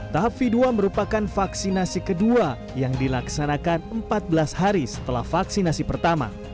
tahap v dua merupakan vaksinasi kedua yang dilaksanakan empat belas hari setelah vaksinasi pertama